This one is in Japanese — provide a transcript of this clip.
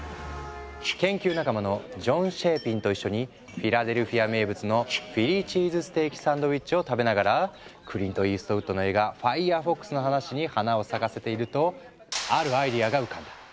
研究仲間のジョン・シェーピンと一緒にフィラデルフィア名物のフィリー・チーズステーキ・サンドイッチを食べながらクリント・イーストウッドの映画「ファイヤーフォックス」の話に花を咲かせているとあるアイデアが浮かんだ。